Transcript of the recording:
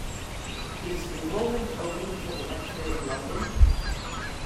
Is enrolment open for the lecture in London?